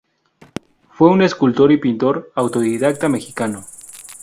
Fue un escultor y pintor autodidacta mexicano.